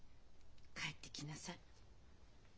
帰ってきなさい。